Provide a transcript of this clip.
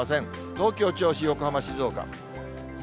東京、銚子、横浜、静岡。